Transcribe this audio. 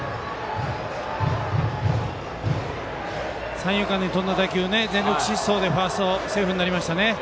三遊間に飛んだ打球全力疾走でファーストセーフになりました。